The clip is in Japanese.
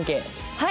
はい。